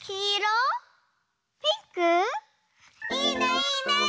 いいねいいね！